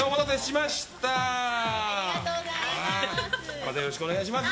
またよろしくお願いします。